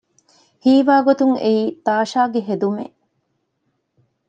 ހީވާގޮތުން އެއީ ތާޝާގެ ހެދުމެއް